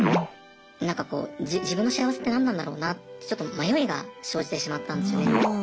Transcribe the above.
なんかこう自分の幸せって何なんだろうなってちょっと迷いが生じてしまったんですよね。